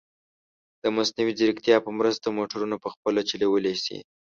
د مصنوعي ځیرکتیا په مرسته، موټرونه په خپله چلولی شي.